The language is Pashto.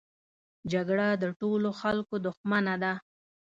جګړه د ټولو خلکو دښمنه ده